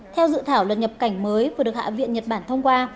theo dự thảo luật nhập cảnh mới vừa được hạ viện nhật bản thông qua